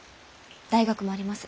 大学もあります。